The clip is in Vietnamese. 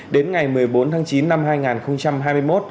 đến ngày một mươi bốn tháng chín năm hai nghìn hai mươi một